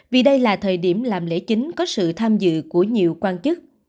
vì đây là thời điểm làm lễ chính có sự tham dự của nhiều quan chức